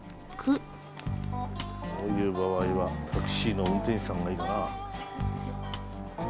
こういう場合はタクシーの運転手さんがいいな。